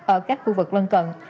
ở các khu vực lân cận